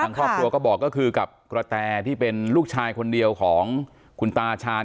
ครอบครัวก็บอกก็คือกับกระแตที่เป็นลูกชายคนเดียวของคุณตาชาญ